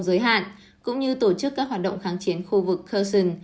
giới hạn cũng như tổ chức các hoạt động kháng chiến khu vực kursion